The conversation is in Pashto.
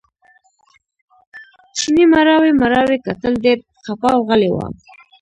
چیني مړاوي مړاوي کتل ډېر خپه او غلی و.